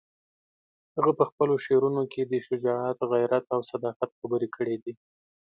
هغه په خپلو شعرونو کې د شجاعت، غیرت او صداقت خبرې کړې دي.